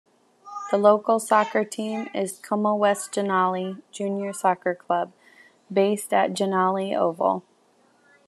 The local soccer team is Como-West-Jannali Junior Soccer Club, based at Jannali Oval.